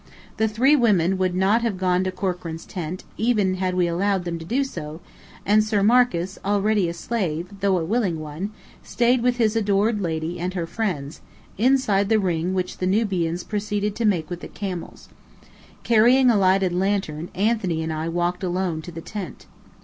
The three women would not have gone to Corkran's tent, even had we allowed them to do so; and Sir Marcus, already a slave, though a willing one, stayed with his adored lady and her friends, inside the ring which the Nubians proceeded to make with the camels. Carrying a lighted lantern Anthony and I walked alone to the tent.